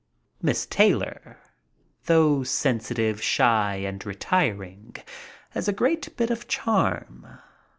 Miss Taylor, though sensitive, shy, and retiring, has a great bit of charm.